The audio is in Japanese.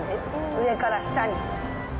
上から下に。